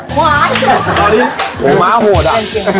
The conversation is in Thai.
ขวานเอาดิหัวม้าโหดอ่ะ